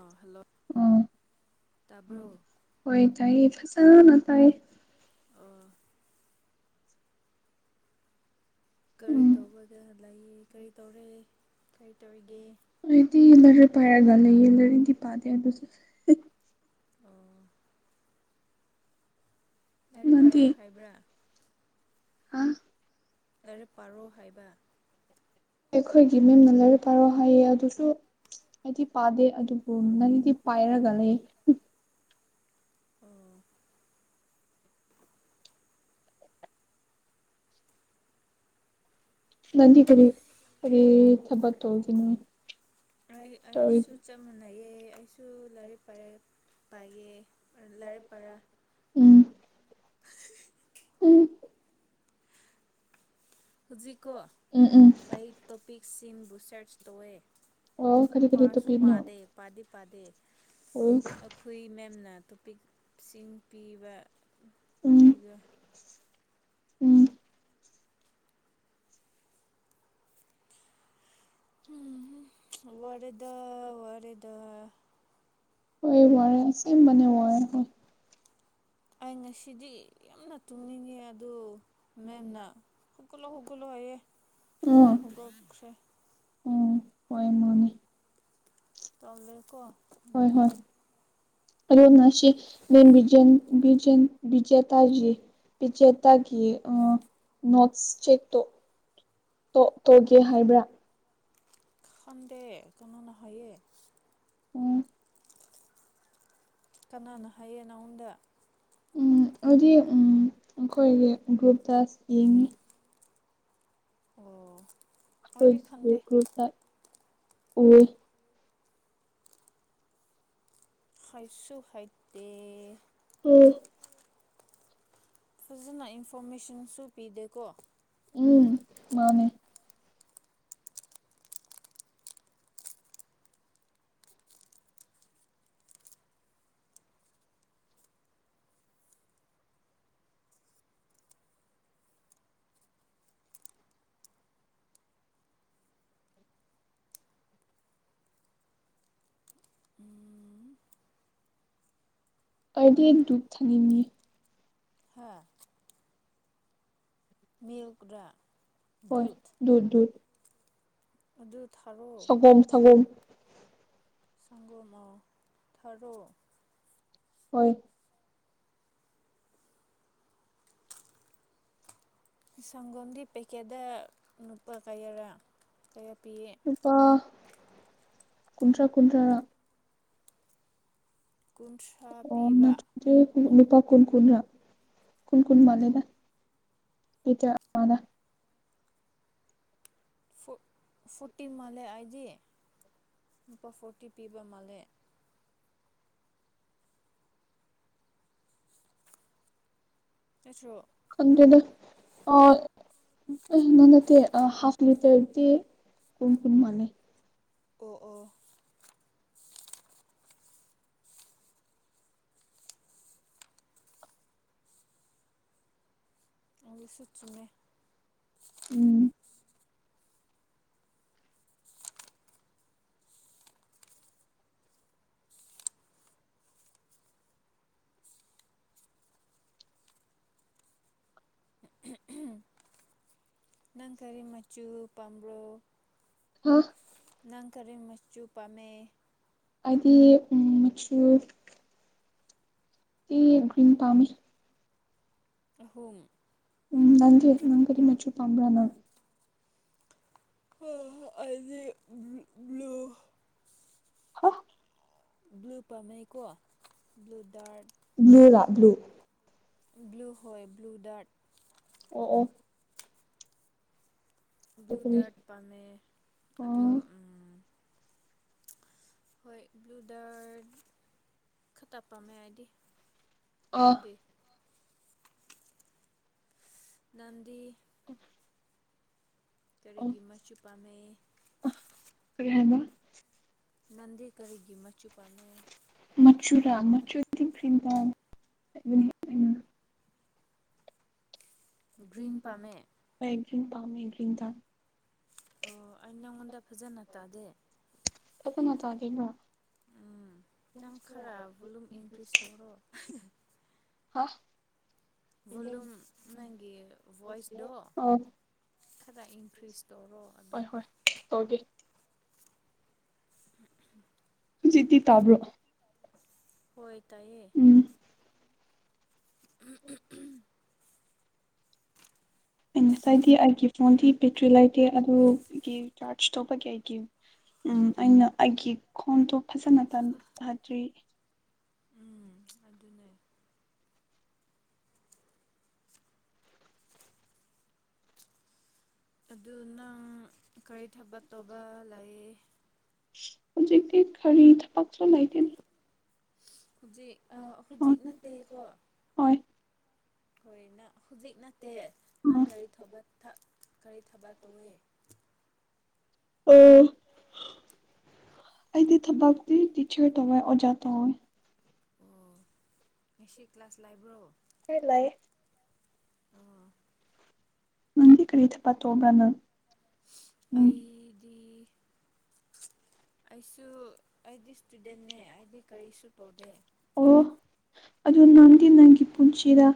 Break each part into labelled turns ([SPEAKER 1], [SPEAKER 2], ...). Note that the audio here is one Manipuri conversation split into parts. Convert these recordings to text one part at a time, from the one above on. [SPEAKER 1] ꯑꯥ ꯍꯜꯂꯣ
[SPEAKER 2] ꯑꯣ
[SPEAKER 1] ꯇꯥꯕ꯭ꯔꯣ
[SPEAKER 2] ꯍꯣꯏ ꯇꯥꯏꯌꯦ ꯐꯖꯅ ꯇꯥꯏꯌꯦ
[SPEAKER 1] ꯑꯥ ꯀꯔꯤ
[SPEAKER 2] ꯎꯝ
[SPEAKER 1] ꯇꯧꯕꯒ ꯂꯩꯌꯦ ꯀꯔꯤ ꯇꯧꯔꯦ ꯀꯔꯤ ꯇꯧꯔꯤꯒꯦ
[SPEAKER 2] ꯑꯩꯗꯤ ꯂꯥꯢꯔꯤꯛ ꯄꯥꯏꯔꯒ ꯂꯩ ꯌꯦ ꯂꯥꯢꯔꯤꯛꯇꯤ ꯄꯥꯗꯦ ꯑꯗꯨꯁꯨ
[SPEAKER 1] ꯑꯣ ꯂꯥꯏꯔꯤꯛ
[SPEAKER 2] ꯅꯪꯗꯤ
[SPEAKER 1] ꯄꯥꯏꯔꯣ ꯍꯥꯏꯕ꯭ꯔꯥ
[SPEAKER 2] ꯍꯥ
[SPEAKER 1] ꯂꯥꯏꯔꯤꯛ ꯄꯥꯔꯣ ꯍꯥꯏꯕ
[SPEAKER 2] ꯑꯩꯈꯣꯏꯒꯤ ꯃꯦꯝꯅ ꯂꯥꯏꯔꯤꯛ ꯄꯥꯔꯣ ꯍꯥꯏꯌꯦ ꯑꯗꯨꯁꯨ ꯑꯩꯗꯤ ꯄꯥꯗꯦ ꯑꯗꯨꯕꯨ ꯅꯪꯗꯤ ꯄꯥꯏꯔꯒ ꯂꯩ
[SPEAKER 1] ꯑꯣ
[SPEAKER 2] ꯅꯪꯗꯤ ꯀꯔꯤ ꯀꯔꯤ ꯊꯕꯛ ꯇꯧꯗꯣꯏꯅꯣ
[SPEAKER 1] ꯑꯩ ꯑꯩꯁꯨ ꯆꯞ ꯃꯥꯟꯅꯩꯌꯦ ꯑꯩꯁꯨ ꯂꯥꯏꯔꯤꯛ ꯄꯥꯏꯔ ꯄꯥꯏꯌꯦ ꯂꯥꯏꯔꯤꯛ ꯄꯥꯔ
[SPEAKER 2] ꯎꯝ ꯎꯝ
[SPEAKER 1] ꯍꯧꯖꯤꯛꯀꯣ
[SPEAKER 2] ꯎꯝ ꯎꯝ
[SPEAKER 1] ꯑꯩ ꯇꯣꯄꯤꯛꯁꯤꯡꯕꯨ ꯁꯔꯆ ꯇꯧꯋꯦ
[SPEAKER 2] ꯑꯣ ꯀꯔꯤ ꯀꯔꯤ
[SPEAKER 1] ꯄꯥꯔꯁꯨ
[SPEAKER 2] ꯇꯧꯄꯤꯅꯣ
[SPEAKER 1] ꯄꯥꯗꯦ ꯄꯥꯗꯤ ꯄꯥꯗꯦ
[SPEAKER 2] ꯎꯝ
[SPEAKER 1] ꯑꯩꯈꯣꯏ ꯃꯦꯝꯅ ꯇꯣꯄꯤꯛꯁꯤꯡ ꯄꯤꯕ ꯄꯤ
[SPEAKER 2] ꯎꯝ ꯎꯝ [inaudible]
[SPEAKER 1] ꯋꯥꯔꯦꯗ ꯋꯥꯔꯦꯗ
[SPEAKER 2] ꯍꯣꯏ ꯋꯥꯔꯦ ꯑꯁꯦꯡꯕꯅꯦ ꯋꯥꯔꯦ ꯍꯣꯏ
[SPEAKER 1] ꯑꯩ ꯉꯁꯤꯗꯤ ꯌꯥꯝꯅ ꯇꯨꯝꯅꯤꯡꯉꯦ ꯑꯗꯨ ꯃꯦꯝꯅ ꯍꯧꯒꯠꯂꯣ ꯍꯧꯒꯠꯂꯣ ꯍꯥꯏꯌꯦ
[SPEAKER 2] ꯑꯥ
[SPEAKER 1] ꯑꯗꯨꯗꯩ ꯍꯧꯒꯠꯈꯔꯦ
[SPEAKER 2] ꯎꯝ ꯍꯣꯏ ꯃꯅꯤ
[SPEAKER 1] ꯇꯜꯂꯦꯀꯣ
[SPEAKER 2] ꯍꯣꯏ ꯍꯣꯏ
[SPEAKER 1] ꯎꯝ
[SPEAKER 2] ꯑꯗꯣ ꯅꯁꯤ ꯕꯤꯖꯦꯟ [unintelligible] ꯄꯤ ꯆꯦꯇꯥ ꯀꯤ ꯅꯣꯠꯁ ꯆꯦꯛꯇꯣ ꯇꯣꯛ ꯇꯣꯑꯥꯒꯦ ꯍꯥꯏꯕ꯭ꯔꯥ
[SPEAKER 1] ꯈꯪꯗꯦ ꯀꯅꯥꯅ ꯍꯥꯏꯌꯦ
[SPEAKER 2] ꯎꯝ
[SPEAKER 1] ꯀꯅꯥꯅ ꯍꯥꯏꯌꯦ ꯅꯪꯉꯣꯟꯗ
[SPEAKER 2] ꯎ ꯑꯩ ꯗꯤ ꯑꯩꯈꯣꯏꯒꯤ ꯒ꯭ꯔꯨꯞꯇ ꯌꯦꯡꯉꯤ
[SPEAKER 1] ꯑꯣ ꯑꯩꯗꯤ ꯈꯟꯗꯦ
[SPEAKER 2] ꯒ꯭ꯔꯨꯞꯇ ꯎꯏꯌꯦ
[SPEAKER 1] ꯍꯩꯁꯨ ꯍꯩꯇꯦ
[SPEAKER 2] ꯎꯝ
[SPEAKER 1] ꯐꯖꯅ ꯏꯟꯐꯣꯔꯃꯦꯁꯟꯁꯨ ꯄꯤꯗꯦꯀꯣ
[SPEAKER 2] ꯎꯝ ꯃꯥꯅꯦ
[SPEAKER 1] ꯎꯝ
[SPEAKER 2] ꯑꯩꯗꯤ ꯗꯨꯛ ꯊꯥꯅꯤꯡꯉꯤ
[SPEAKER 1] ꯍꯥꯥ ꯃꯤꯜꯀꯥꯔ
[SPEAKER 2] ꯍꯣꯏ
[SPEAKER 1] ꯗꯨꯠ
[SPEAKER 2] ꯗꯨꯠ ꯗꯨꯠ
[SPEAKER 1] ꯑꯗꯨ ꯊꯔꯣ
[SPEAKER 2] ꯁꯟ ꯁꯪꯒꯣꯝ
[SPEAKER 1] ꯁꯪꯒꯣꯝ ꯑꯥ ꯊꯔꯣ
[SPEAKER 2] ꯍꯣꯏ
[SPEAKER 1] ꯁꯪꯒꯣꯝꯗꯤ ꯄꯦꯀꯦꯠꯇ ꯂꯨꯄꯥ ꯀꯌꯥꯔꯥ ꯀꯌꯥ ꯄꯤꯌꯦ
[SPEAKER 2] ꯂꯨꯄꯥ ꯀꯨꯟꯊ꯭ꯔꯥ ꯀꯨꯟꯊ꯭ꯔꯥ
[SPEAKER 1] ꯀꯨꯟꯊ꯭ꯔꯥ ꯄꯤꯕ
[SPEAKER 2] ꯗꯦ ꯂꯨꯄ ꯀꯨꯣꯟ ꯀꯟ ꯅ ꯀꯨꯟ ꯀꯨꯟ ꯃꯥꯂꯦꯗ ꯏꯆ ꯃꯥꯅ
[SPEAKER 1] ꯐꯣꯔꯇꯤ ꯃꯥꯜꯂꯦ ꯑꯩꯗꯤ ꯂꯨꯄꯥ ꯐꯣꯔꯇꯤ ꯄꯤꯕ ꯃꯥꯜꯂꯦ ꯆꯦꯁꯨ
[SPEAKER 2] ꯈꯪꯗꯦꯗ ꯑꯣꯏ [unintelligible] ꯍꯥꯐ ꯂꯤꯇꯔꯗꯤ ꯀꯨꯟ ꯀꯨꯟ ꯃꯥꯅꯦ
[SPEAKER 1] ꯑꯣ ꯑꯣ ꯑꯗꯨꯁꯨ ꯆꯨꯃꯦ
[SPEAKER 2] ꯎꯝ
[SPEAKER 1] ꯅꯪ ꯀꯔꯤ ꯃꯆꯨ ꯄꯥꯝꯕ꯭ꯔꯣ
[SPEAKER 2] ꯍꯥ
[SPEAKER 1] ꯅꯪ ꯀꯔꯤ ꯃꯆꯨ ꯄꯥꯝꯃꯦ
[SPEAKER 2] ꯑꯗꯤ ꯃꯆꯨ ꯁꯤꯒ꯭ꯔꯤꯟ ꯄꯥꯝꯃꯤ
[SPEAKER 1] ꯑꯍꯨꯝ
[SPEAKER 2] ꯎꯝ ꯅꯪꯗꯤ ꯅꯪ ꯀꯔꯤ ꯃꯆꯨ ꯄꯥꯝꯕꯔ ꯅꯪ
[SPEAKER 1] ꯍ ꯑꯩꯗꯤ ꯕ꯭ꯂꯨ
[SPEAKER 2] ꯍꯥ
[SPEAKER 1] ꯕ꯭ꯂꯨ ꯄꯥꯃꯩꯀꯣ ꯕ꯭ꯂꯨ ꯗꯔꯠ
[SPEAKER 2] ꯕ꯭ꯂꯨꯂꯥ ꯕ꯭ꯂꯨ
[SPEAKER 1] ꯕ꯭ꯂꯨ ꯍꯣꯏ ꯕ꯭ꯂꯨ ꯗꯔꯠ
[SPEAKER 2] ꯑꯣ ꯑꯣ ꯑꯣ
[SPEAKER 1] ꯕ꯭ꯂꯨ
[SPEAKER 2] ꯀꯔꯤ
[SPEAKER 1] ꯗꯔꯠ ꯄꯥꯝꯃꯦ ꯑꯗꯨ
[SPEAKER 2] ꯑꯣ
[SPEAKER 1] ꯍꯣꯏ ꯕ꯭ꯂꯨ ꯗꯔ ꯈꯛꯇ ꯄꯥꯝꯃꯦ ꯍꯥꯏꯗꯤ
[SPEAKER 2] ꯑꯥ
[SPEAKER 1] ꯅꯪꯗꯤ ꯥꯅꯪꯗꯤ
[SPEAKER 2] ꯑ
[SPEAKER 1] ꯀꯔꯤꯒꯤ ꯃꯁꯨ ꯄꯥꯝꯃꯦ
[SPEAKER 2] ꯀꯔꯤ ꯍꯥꯏꯕ
[SPEAKER 1] ꯅꯟꯗꯤ ꯀꯔꯤꯒꯤ ꯃꯆꯨ ꯄꯥꯟꯃꯦ
[SPEAKER 2] ꯃꯆꯨꯔꯥ ꯃꯆꯨꯗꯤ ꯒ꯭ꯔꯤꯟ ꯄꯥꯝꯃ ꯍꯥꯏꯕꯅꯤ
[SPEAKER 1] ꯒ꯭ꯔꯤꯟ ꯄꯥꯝꯃꯦ
[SPEAKER 2] ꯒ꯭ꯔꯤ ꯄꯥꯃꯦ ꯒ꯭ꯔꯤ ꯗꯥꯛ
[SPEAKER 1] ꯑꯣ ꯑꯩ ꯅꯪꯉꯣꯟꯗ ꯐꯖꯅ ꯇꯥꯗꯦ
[SPEAKER 2] ꯀꯇꯅ ꯇꯥꯒꯩꯅ
[SPEAKER 1] ꯅꯝ ꯈꯔꯥ ꯚꯂꯨꯝ ꯏꯟꯀ꯭ꯔꯤꯁ ꯇꯧꯔꯣ
[SPEAKER 2] ꯍ
[SPEAKER 1] ꯚꯣꯂꯨꯝ ꯅꯪꯒꯤ ꯚꯣꯏꯁꯗꯣ
[SPEAKER 2] ꯑꯣ
[SPEAKER 1] ꯈꯔ ꯏꯟꯈ꯭ꯔꯤꯁ ꯇꯧꯔꯣ ꯑꯗꯨ
[SPEAKER 2] ꯇꯣꯔꯒꯤ ꯍꯧꯖꯤꯛꯇꯤ ꯇꯥꯕ꯭ꯔꯣ
[SPEAKER 1] ꯍꯣꯏ ꯇꯥꯏꯌꯦ
[SPEAKER 2] ꯎꯝ
[SPEAKER 1] ꯎꯝ ꯎꯝ ꯎꯝ
[SPEAKER 2] ꯑꯩ ꯉꯁꯥꯏꯗꯤ ꯑꯩꯒꯤ ꯐꯣꯟꯗꯤ ꯕꯦꯇ꯭ꯔꯤ ꯂꯩꯇꯦ ꯑꯗꯨꯒꯤ ꯆꯥꯔꯖ ꯇꯧꯕꯒꯤ ꯑꯩꯒꯤ ꯎꯝ ꯑꯩꯅ ꯑꯩꯒꯤ ꯈꯣꯡꯗꯣ ꯐꯖꯅ ꯇ ꯐꯠꯇ꯭ꯔꯤ
[SPEAKER 1] ꯎꯝ ꯑꯗꯨꯅꯦ ꯑꯗꯨ ꯅꯪ ꯀꯔꯤ ꯊꯕꯛ ꯇꯧꯕ ꯂꯩ
[SPEAKER 2] ꯍꯧꯖꯤꯛꯇꯤ ꯀꯔꯤ ꯊꯕꯛꯁꯨ ꯂꯩꯇꯦ ꯗ
[SPEAKER 1] ꯍꯧꯖꯤꯛ ꯑ
[SPEAKER 2] ꯍꯣꯏ
[SPEAKER 1] ꯍꯧꯖꯤꯛ ꯅꯠꯇꯦꯀꯣ
[SPEAKER 2] ꯍꯣꯏ
[SPEAKER 1] ꯍꯣꯏ ꯅ ꯍꯧꯖꯤꯛ ꯅꯠꯇꯦ ꯅꯪ ꯀꯔꯤ ꯊꯕꯛ ꯀꯔꯤ ꯊꯕꯛ ꯇꯧꯋꯦ
[SPEAKER 2] ꯑꯣ ꯑꯩꯗꯤ ꯊꯕꯛꯇꯤ ꯇꯤꯆꯔ ꯇꯧꯋꯥꯦ ꯑꯣꯖꯥ ꯇꯧꯋꯦ
[SPEAKER 1] ꯑꯣ ꯉꯁꯤ ꯀ꯭ꯂꯥꯁ ꯂꯥꯏꯕ꯭ꯔꯣ
[SPEAKER 2] ꯍꯣꯏ ꯂꯩ ꯅꯪꯗꯤ ꯀꯔꯤ ꯊꯕꯛ ꯇꯧꯕ꯭ꯔ ꯅꯪ ꯎꯝ
[SPEAKER 1] ꯑꯩꯗꯤ ꯑꯩꯁꯨ ꯑꯩꯗꯤ ꯏꯁꯇꯨꯗꯦꯟꯅꯦ ꯑꯩꯗꯤ ꯀꯔꯤꯁꯨ ꯇꯧꯗꯦ
[SPEAKER 2] ꯑꯣ ꯑꯗꯨ ꯅꯪꯗꯤ ꯅꯪꯒꯤ ꯄꯨꯟꯁꯤꯔ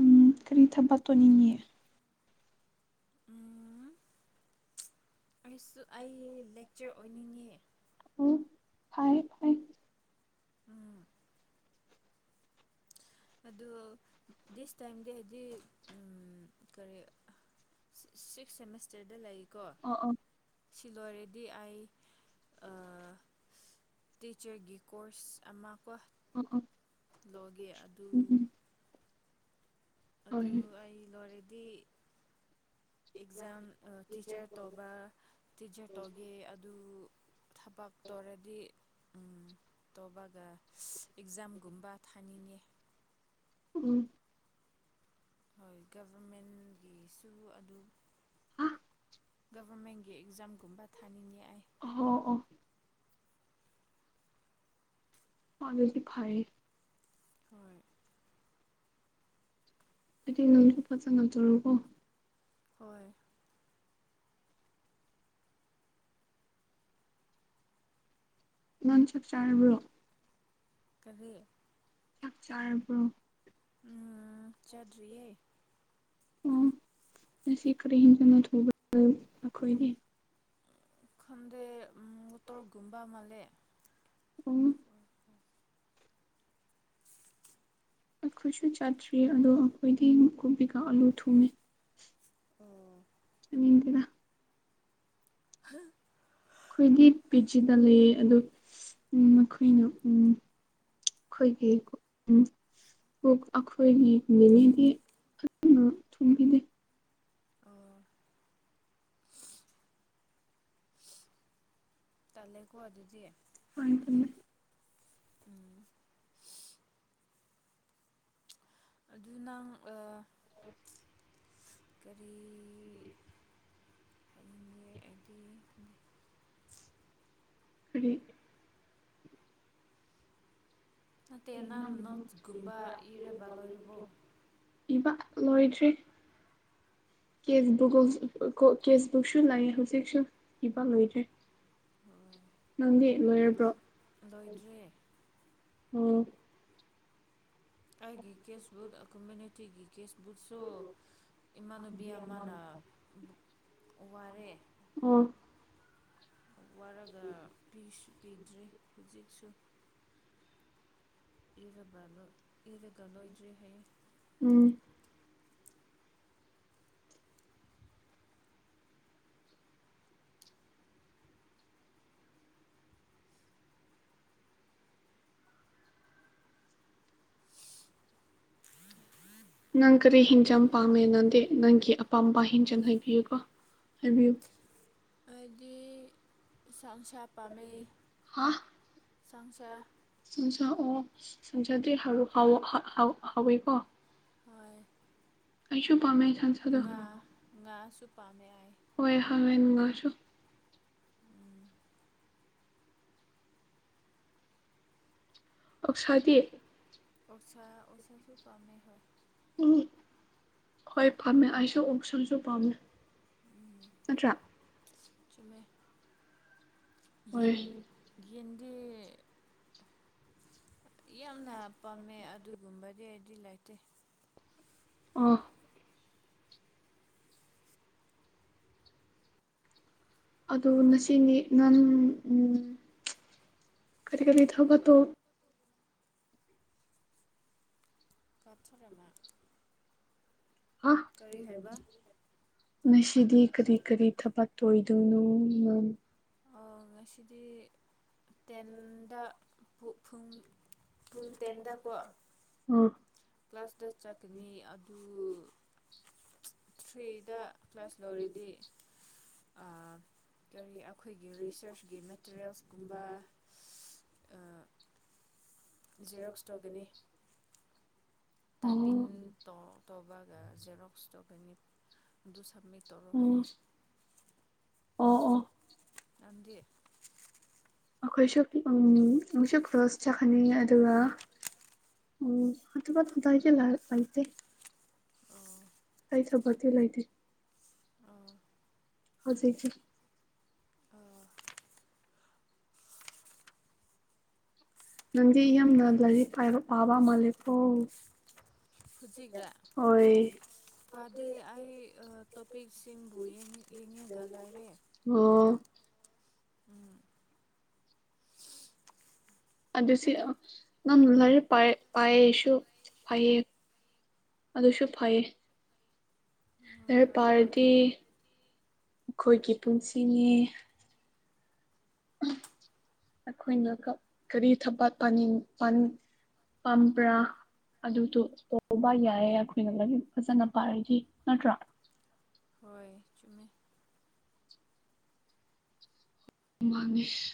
[SPEAKER 2] ꯎꯝ ꯀꯔꯤ ꯊꯕꯛ ꯇꯧꯅꯤꯡꯉꯤ
[SPEAKER 1] ꯎꯝ ꯑꯩꯁꯨ ꯑꯩ ꯂꯦꯛꯆꯔ ꯑꯣꯏꯅꯤꯡꯉꯤ
[SPEAKER 2] ꯑꯣ ꯐꯥꯔꯦ
[SPEAKER 1] ꯑꯗꯣ ꯗꯤꯁ ꯇꯥꯏꯝꯗꯦꯗꯤ ꯎꯝ ꯀꯔꯤ ꯁꯤꯛꯁ ꯁꯦꯃꯤꯁꯇꯔꯗ ꯂꯩꯀꯣ
[SPEAKER 2] ꯑꯣ ꯑꯣ
[SPEAKER 1] ꯁꯤ ꯂꯣꯏꯔꯗꯤ ꯑꯩ ꯇꯤꯆꯔꯒꯤ ꯀꯣꯔꯁ ꯑꯃ ꯀꯣ
[SPEAKER 2] ꯑꯣ ꯑꯣ
[SPEAKER 1] ꯂꯧꯒꯦ ꯑꯗꯨ
[SPEAKER 2] ꯎꯝ ꯎꯝ
[SPEAKER 1] ꯑꯗꯨ
[SPEAKER 2] ꯍꯣꯏ
[SPEAKER 1] ꯑꯩ ꯂꯣꯏꯔꯗꯤ ꯑꯦꯛꯖꯥꯝ ꯇꯤꯆꯔ ꯇꯧꯕ ꯇꯤꯆꯔ ꯇꯧꯒꯦ ꯑꯗꯨ ꯊꯕꯛ ꯇꯧꯔꯗꯤ ꯎꯝ ꯇꯧꯕꯒ ꯑꯦꯛꯖꯥꯝꯒꯨꯝꯕ ꯊꯥꯅꯤꯡꯉꯦ
[SPEAKER 2] ꯎꯝ
[SPEAKER 1] ꯍꯣꯏ ꯒꯚꯔꯃꯦꯟꯒꯤꯁꯨ ꯑꯗꯨ ꯒꯚꯔꯃꯦꯟꯒꯤ ꯑꯦꯛꯖꯥꯝꯒꯨꯝꯕ ꯊꯥꯅꯤꯡꯉꯦ ꯑꯩ
[SPEAKER 2] ꯑꯣ ꯑꯣ ꯑꯗꯨꯗꯤ ꯐꯥꯔꯦ
[SPEAKER 1] ꯍꯣꯏ
[SPEAKER 2] ꯑꯗꯨ ꯅꯪꯁꯨ ꯐꯖ ꯇꯧꯋꯦꯀꯣ
[SPEAKER 1] ꯍꯣꯏ
[SPEAKER 2] ꯅꯪ ꯆꯥꯛꯆꯥꯔꯕ꯭ꯔꯣ
[SPEAKER 1] ꯀꯥꯕꯤ
[SPEAKER 2] ꯆꯥꯛ ꯆꯥꯔꯕ꯭ꯔꯣ
[SPEAKER 1] ꯎꯝ ꯆꯗ꯭ꯔꯤꯌꯦ
[SPEAKER 2] ꯑꯣ ꯉꯁꯤ ꯀꯔꯤ ꯍꯦꯟꯖ [unintelligible]
[SPEAKER 1] ꯈꯪꯗꯦ ꯃꯠꯇꯣꯔꯒꯨꯝꯕꯥ ꯃꯜꯦ
[SPEAKER 2] ꯎꯝ ꯑꯩꯈꯣꯏꯁꯨ ꯆꯥꯠꯇ꯭ꯔꯤ ꯑꯗꯣ ꯑꯩꯈꯣꯏꯗꯤ ꯀꯨꯞꯕꯤꯀꯥ ꯑꯂꯨ ꯊꯨꯝꯃꯤ
[SPEAKER 1] ꯑꯣ
[SPEAKER 2] [unintelligible]
[SPEAKER 1] [inaudible]
[SPEAKER 2] ꯑꯩꯈꯣꯏꯒꯤ ꯄꯤꯆꯗ ꯂꯩꯌꯦ ꯑꯗꯨ ꯎꯝ ꯃꯈꯣꯏꯅꯤ ꯎꯝ ꯑꯩꯈꯣꯏꯒꯤ ꯎꯝ ꯕꯨꯛ ꯑꯩꯈꯣꯏꯒꯤ ꯅꯤꯅꯤꯗꯤ ꯐꯖꯅ ꯊꯨꯝꯕꯤꯅꯤ
[SPEAKER 1] ꯑꯣ ꯇꯜꯂꯦꯀꯣ ꯑꯗꯨꯗꯤ
[SPEAKER 2] [unintelligible]
[SPEAKER 1] ꯎꯝ ꯑꯗꯨ ꯅꯪ ꯑꯥ ꯀꯔꯤ ꯑꯩꯒꯤ ꯅꯤ
[SPEAKER 2] [unintelligible]
[SPEAKER 1] ꯅꯠꯇꯦ ꯅ ꯅꯣꯠꯁꯀꯨꯝꯕ ꯏꯔꯕꯥ ꯂꯣꯏꯔꯕꯣ
[SPEAKER 2] ꯏꯕ ꯂꯣꯏꯗ꯭ꯔꯔꯤ ꯀꯦꯕꯒꯨꯝꯀ ꯀꯦꯁꯕꯨꯛꯁꯨ ꯂꯩ ꯍꯧꯖꯤꯛꯁꯨ ꯏꯕ ꯂꯣꯏꯗ꯭ꯔꯦ ꯅꯪꯗꯤ ꯂꯣꯏꯔꯕ꯭ꯔꯣ
[SPEAKER 1] ꯂꯣꯏꯗ꯭ꯔꯦ
[SPEAKER 2] ꯎꯝ
[SPEAKER 1] ꯑꯩꯒꯤ ꯀꯦꯁꯕꯨꯠ ꯀꯝꯃꯨꯅꯤꯇꯤꯒꯤ ꯀꯦꯁꯕꯨꯛꯁꯨ ꯏꯃꯥꯟꯅꯕꯤ ꯑꯃꯥꯅ ꯋꯥꯔꯦ
[SPEAKER 2] ꯑꯣ
[SPEAKER 1] ꯋꯥꯔꯒ ꯄꯤꯁꯨ ꯄꯤꯗ꯭ꯔꯤ ꯍꯧꯖꯤꯛꯁꯨ ꯏꯔꯕ꯭ꯔꯂꯣ ꯏꯔꯒꯂꯣ ꯏꯗ꯭ꯔꯤ ꯍꯌꯦ
[SPEAKER 2] ꯎꯝ ꯅꯪ ꯀꯔꯤ ꯍꯤꯟꯖꯝ ꯄꯥꯝꯃꯦ ꯅꯪꯗꯦ ꯅꯪꯒꯤ ꯑꯄꯥꯝꯕꯄꯥ ꯍꯤꯡꯖꯝ ꯍꯥꯏꯕꯤꯌꯨꯀꯣ ꯍꯥꯏꯕꯤꯌꯨ
[SPEAKER 1] ꯍꯥꯏꯗꯤ ꯆꯥꯡꯁꯥ ꯄꯥꯝꯃꯦ
[SPEAKER 2] ꯍꯥ
[SPEAKER 1] ꯁꯥꯡꯁꯥ
[SPEAKER 2] ꯁꯟꯁꯥ ꯑꯣꯛ ꯁꯟꯁꯥꯗꯦꯔ ꯍꯥꯥꯑꯣ ꯍꯥ ꯍꯥꯥꯑꯣ ꯍꯥꯎꯋꯦꯀꯣ
[SPEAKER 1] ꯍꯣꯏ
[SPEAKER 2] ꯑꯩꯁꯨ ꯄꯥꯃꯤ [unintelligible]
[SPEAKER 1] ꯉꯥ ꯉꯥꯁꯨ ꯄꯥꯝꯃꯦ ꯍꯥꯏꯌꯦ
[SPEAKER 2] ꯍꯣꯏ ꯍꯃꯦꯡ ꯉꯥꯁꯨ ꯑꯣꯛꯁꯥꯗꯤ
[SPEAKER 1] ꯑꯣꯁꯥ ꯑꯣꯛꯁꯥꯁꯨ ꯄꯥꯝꯃꯦ ꯍꯣꯏ
[SPEAKER 2] ꯎꯝ ꯍꯣꯏ ꯐꯥꯝꯃꯦ ꯑꯩꯁꯨ ꯑꯣꯛꯁꯟꯁꯨ ꯄꯥꯝꯃꯦ ꯅꯠꯇ꯭ꯔꯥ
[SPEAKER 1] ꯆꯨꯝꯃꯦ ꯌꯦꯟ
[SPEAKER 2] ꯍꯣꯏ
[SPEAKER 1] ꯌꯦꯟꯗꯤ ꯌꯥꯝꯅ ꯄꯥꯝꯃꯦ ꯑꯗꯨꯒꯨꯝꯕꯗꯤ ꯑꯩꯗꯤ ꯂꯩꯇꯦ
[SPEAKER 2] ꯑꯣ ꯑꯗꯨ ꯉꯁꯤꯅꯤ ꯅꯪ ꯎꯝ ꯀꯔꯤ ꯀꯔꯤ ꯊꯕꯛꯇꯣ
[SPEAKER 1] ꯀꯞꯊꯣꯔꯃꯥ
[SPEAKER 2] ꯍꯥ
[SPEAKER 1] ꯍꯥꯏꯕ
[SPEAKER 2] ꯉꯁꯤꯗꯤ ꯀꯔꯤ ꯀꯔꯤ ꯊꯕꯛ ꯑꯣꯏꯗꯣꯏꯅꯣ
[SPEAKER 1] ꯑꯣ ꯉꯁꯤꯗꯤ ꯇꯦꯟꯗ ꯄꯨ ꯊꯥꯡ ꯄꯨꯡ ꯇꯦꯟꯗꯀꯣ
[SPEAKER 2] ꯑꯣ
[SPEAKER 1] ꯀ꯭ꯂꯥꯁ ꯇ ꯆꯠꯀꯅꯤ ꯑꯗꯨ ꯊ꯭ꯔꯤꯗ ꯀ꯭ꯂꯥꯁ ꯂꯣꯏꯔꯗꯤ ꯑ ꯀꯔꯤ ꯑꯩꯈꯣꯏꯒꯤ ꯔꯤꯁꯔꯁꯀꯤ ꯃꯦꯇꯔꯤꯌꯦꯜꯁꯀꯨꯝꯕ ꯏꯁ ꯑ ꯖꯦꯔꯣꯛꯁ ꯇꯧꯒꯅꯤ
[SPEAKER 2] ꯑꯣ
[SPEAKER 1] ꯇꯥꯏꯄꯤꯡ ꯇꯧ ꯇꯧꯕꯒ ꯖꯦꯔꯣꯛꯁ ꯇꯧꯒꯅꯤ ꯑꯗꯨ ꯁꯕꯃꯤꯠ ꯇꯧꯔꯣ
[SPEAKER 2] ꯑꯣ
[SPEAKER 1] ꯍꯥꯏꯌꯦ
[SPEAKER 2] ꯑꯣ ꯑꯣ
[SPEAKER 1] ꯅꯪꯗꯤ
[SPEAKER 2] ꯑꯩꯈꯣꯏꯁꯨ ꯎꯝ ꯑꯩꯈꯣꯏꯁꯨ ꯀ꯭ꯂꯣꯁ ꯆꯠꯀꯅꯤ ꯑꯗꯨꯒ ꯎꯝ ꯑꯗꯨꯒ [unintelligible] ꯂꯩꯇꯦ
[SPEAKER 1] ꯑꯣ
[SPEAKER 2] ꯑꯩ ꯊꯕꯛꯇꯤ ꯂꯩꯇꯦ
[SPEAKER 1] ꯑꯥ
[SPEAKER 2] ꯍꯧꯖꯤꯛꯇꯤ ꯅꯪꯗꯤ ꯌꯥꯝꯅ ꯂꯥꯏꯔꯤꯛ ꯄꯥꯏꯕ ꯄꯥꯕ ꯃꯥꯂꯦꯀꯣ
[SPEAKER 1] ꯍꯨꯖꯤꯛꯔ
[SPEAKER 2] ꯍꯣꯏ
[SPEAKER 1] ꯄꯥꯗꯦ ꯑꯩ ꯇꯣꯄꯤꯛꯁꯤꯡꯕꯨ ꯌꯦꯡ ꯌꯦꯡꯉꯒ ꯂꯩꯔꯦ
[SPEAKER 2] ꯑꯣ
[SPEAKER 1] ꯎꯝ
[SPEAKER 2] ꯑꯗꯨ ꯁꯤ ꯅꯪ ꯂꯥꯏꯔꯤꯛ ꯄꯥꯏ ꯄꯥꯏꯌꯦꯁꯨ ꯐꯩꯌꯦ ꯑꯗꯨꯁꯨ ꯐꯩꯌꯦ
[SPEAKER 1] ꯍꯣꯏ
[SPEAKER 2] ꯂꯥꯏꯔꯤꯛ
[SPEAKER 1] ꯍꯣꯏ ꯍꯣꯏ
[SPEAKER 2] ꯄꯥꯔꯗꯤ ꯑꯩꯈꯣꯏꯒꯤ ꯄꯨꯟꯁꯤꯅꯤ ꯑꯩꯈꯣꯏꯅ ꯀꯞ ꯀꯔꯤ ꯊꯕꯛ ꯄꯥꯅꯤꯡ ꯄꯥ ꯄꯥꯝꯄ꯭ꯔ ꯑꯗꯨꯗꯣ ꯇꯧꯕ ꯌꯥꯏꯌꯦ ꯑꯩꯈꯣꯏꯅ ꯂꯥꯏꯔꯤꯛ ꯐꯖꯅ ꯄꯥꯔꯗꯤ ꯅꯠꯇ꯭ꯔꯥ
[SPEAKER 1] ꯍꯣꯏ ꯆꯨꯝꯃꯦ
[SPEAKER 2] ꯃꯥꯅꯤꯁ